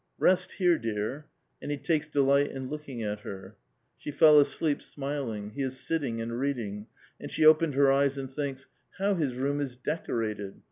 '*Rest here, dear !" And he takes delight in looking at her. She fell asleep smiling ; he is sitting and reading ; and she opened her eyes and thinks :—" How his room is decorated